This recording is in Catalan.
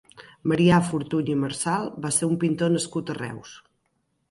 Marià Fortuny i Marsal va ser un pintor nascut a Reus.